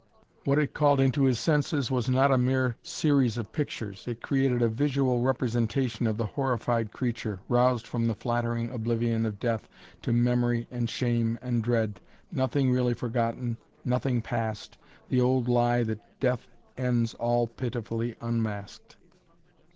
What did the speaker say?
What it called into his senses was not a mere series of pictures. It created a visual representation of the horrified creature, roused from the flattering oblivion of death to memory and shame and dread, nothing really forgotten, nothing past, the old lie that death ends all pitifully unmasked.